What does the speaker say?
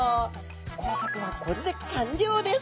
工作はこれで完了です！